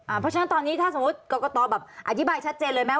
เพราะฉะนั้นตอนนี้ถ้าสมมุติกรกตแบบอธิบายชัดเจนเลยไหม